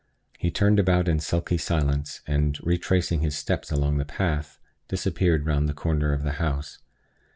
He turned about in sulky silence, and, retracing his steps along the path, disappeared round the corner of the house.